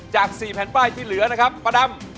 จาก๔แผ่นป้ายที่เหลือนะครับป้าดำ